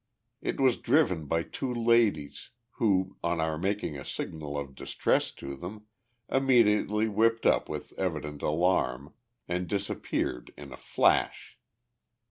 It was driven by two ladies, who, on our making a signal of distress to them, immediately whipped up with evident alarm, and disappeared in a flash.